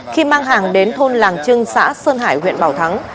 khi mang hàng đến thôn làng trưng xã sơn hải huyện bảo thắng